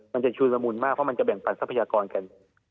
มันจะชุนละมุนมากเพราะมันจะแบ่งปันทรัพยากรกัน